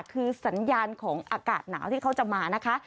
คือสัญญาณของอากาศหนาวที่เขาจะมานะคะ